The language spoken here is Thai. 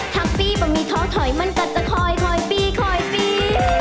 ถ้าปีบะหมี่ท้อถอยมันก็จะคอยปีคอยปี